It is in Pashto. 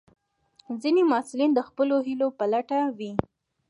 ځینې محصلین د خپلو هیلو په لټه وي.